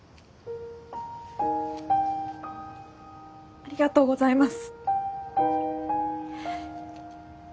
ありがとうございます。